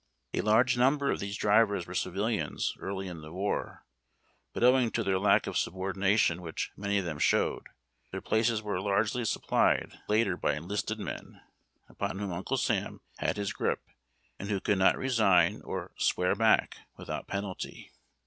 A large number of these drivers were civilians early in the war, but owing to the lack of subordination which many of them showed, their places were largely supplied later by enlisted men, upon whom Uncle Sam liad his grip, and wlio could not resign or " swear back " without penalty.